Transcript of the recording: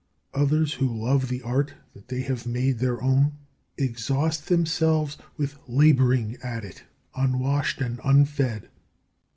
Others, who love the art that they have made their own, exhaust themselves with labouring at it unwashed and unfed.